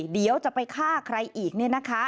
เดี๋ยวจะไปฆ่าใครอีกเนี่ยนะคะ